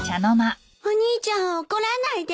お兄ちゃんを怒らないで。